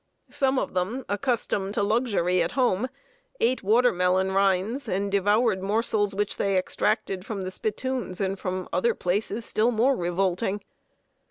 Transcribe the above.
Some of them, accustomed to luxury at home, ate water melon rinds and devoured morsels which they extracted from the spittoons and from other places still more revolting.